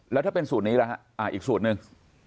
แล้วถ้าเป็นสูตรนี้ล่ะฮะอีกสูตรหนึ่ง